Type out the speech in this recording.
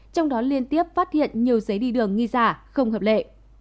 trong đó liên tiếp phát hiện nhiều giấy đi đường nghi giả không hợp lệ